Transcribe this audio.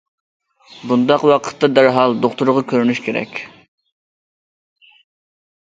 بۇنداق ۋاقىتتا دەرھال دوختۇرغا كۆرۈنۈش كېرەك.